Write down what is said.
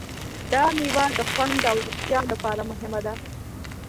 دا مېوه د خوند او روغتیا لپاره مهمه ده.